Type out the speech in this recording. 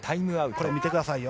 これ、見てくださいよ。